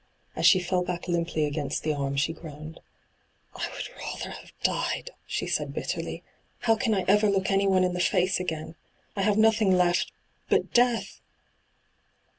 As she fell back limply against the arm she groaned. ' I would rather have died,' she said bitterly. ' How can I ever look anyone in the &ce again ? I have nothing left — but death